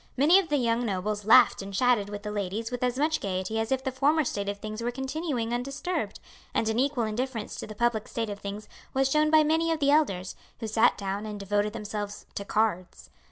Many of the young nobles laughed and chatted with the ladies with as much gaiety as if the former state of things were continuing undisturbed; and an equal indifference to the public state of things was shown by many of the elders, who sat down and devoted themselves to cards.